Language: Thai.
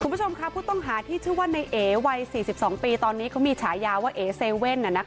คุณผู้ชมค่ะผู้ต้องหาที่ชื่อว่าในเอวัย๔๒ปีตอนนี้เขามีฉายาว่าเอ๋เซเว่น